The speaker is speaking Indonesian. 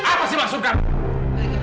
apa sih maksud kamu